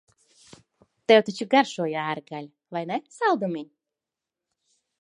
Tev taču garšo jēra gaļa, vai ne, saldumiņ?